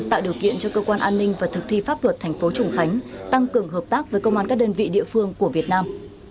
tạo điều kiện cho cơ quan an ninh và thực thi pháp luật thành phố trùng khánh tăng cường hợp tác với công an các đơn vị địa phương của việt nam